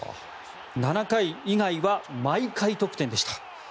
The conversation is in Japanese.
７回以外は毎回得点でした。